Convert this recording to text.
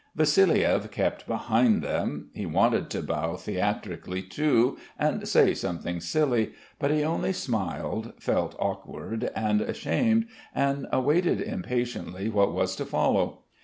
Vassiliev kept behind them. He wanted to bow theatrically too and say something silly. But he only smiled, felt awkward and ashamed, and awaited impatiently what was to follow.